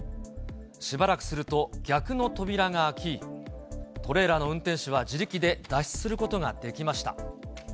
しばらくすると逆の扉が開き、トレーラーの運転手は自力で脱出することができました。